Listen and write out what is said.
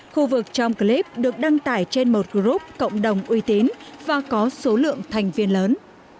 khu vực trong clip được đăng tải trên một group cộng đồng uy tín và có số lượng thành viên lớn